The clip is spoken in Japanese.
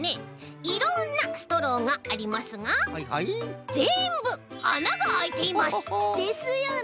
いろんなストローがありますがぜんぶあながあいています！ですよね！